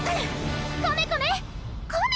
コメコメ！